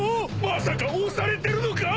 まさか押されてるのか！？